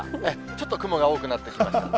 ちょっと雲が多くなってきました。